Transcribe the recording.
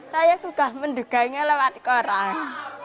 saya juga menduganya lewat koran